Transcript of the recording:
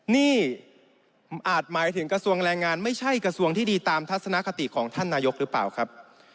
นี่อาจหมายถึงกระทรวงแรงงานไม่ใช่กระทรวงที่ดีตามทัศนคติของท่านนายกหรือเปล่าครับ